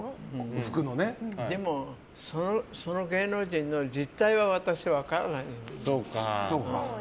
でもその芸能人の実態を私分からないので。